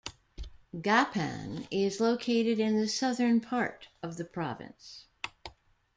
Gapan is located in the southern part of the province.